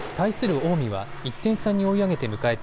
近江は１点差に追い上げて迎えた